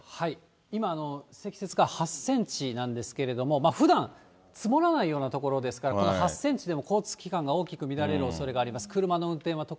今、積雪が８センチなんですけれども、ふだん、積もらないような所ですから、８センチでも交通機関が大きく乱れるおそれがあります。